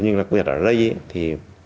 nhưng mà việc ở đây thì